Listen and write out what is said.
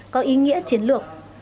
có ý nghĩa chiến lược